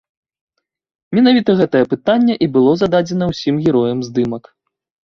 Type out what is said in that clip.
Менавіта гэтае пытанне і было зададзена ўсім героям здымак.